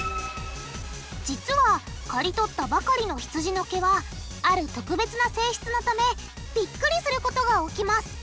実はかり取ったばかりのひつじの毛はある特別な性質のためビックリすることが起きます。